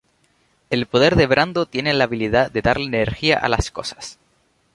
El poder de Brando tiene la habilidad de darle energía a las cosas.